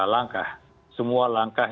langkah semua langkah